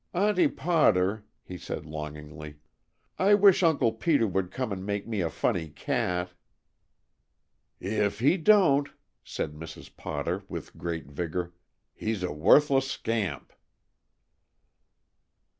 "Auntie Potter," he said longingly, "I wish Uncle Peter would come and make me a funny cat." "If he don't," said Mrs. Potter with great vigor, "he's a wuthless scamp."